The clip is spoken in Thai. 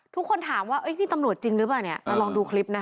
ทุกคนถามว่าพี่ตำรวจจริงหรือเปล่าเนี่ยเราลองดูคลิปนะคะ